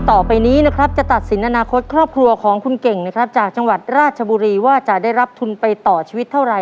ต่อไปนี้นะครับจะตัดสินอนาคตครอบครัวของคุณเก่งนะครับจากจังหวัดราชบุรีว่าจะได้รับทุนไปต่อชีวิตเท่าไร